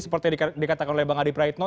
seperti yang dikatakan oleh bang adit raitno